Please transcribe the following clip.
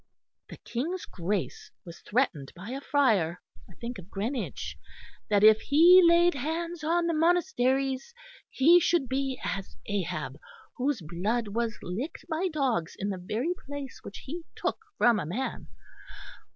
The King's Grace was threatened by a friar, I think of Greenwich, that if he laid hands on the monasteries he should be as Ahab whose blood was licked by dogs in the very place which he took from a man.